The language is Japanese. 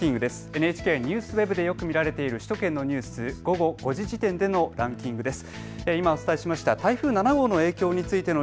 ＮＨＫＮＥＷＳＷＥＢでよく見られている首都圏のニュース午後５時時点でのランキングです。